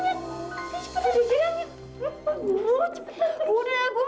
gue harus ambil susu biar dia diem